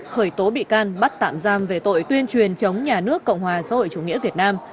khởi tố bị can bắt tạm giam về tội tuyên truyền chống nhà nước cộng hòa xã hội chủ nghĩa việt nam